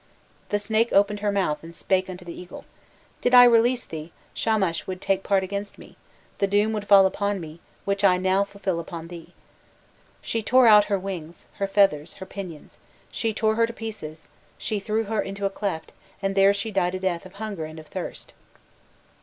The snake opened her mouth and spake unto the eagle, 'Did I release thee, Shamash would take part against me; and the doom would fall upon me, which now I fulfil upon thee.' She tore out her wings, her feathers, her pinions; she tore her to pieces, she threw her into a cleft, and there she died a death of hunger and of thirst."